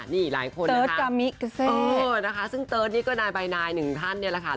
นี่หลายคนนะคะเออนะคะซึ่งเติร์ดนี่ก็นายใบนายหนึ่งท่านเนี่ยแหละค่ะ